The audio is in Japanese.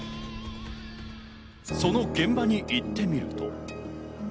その現場に行ってみると。